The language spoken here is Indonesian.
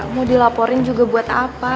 mau dilaporin juga buat apa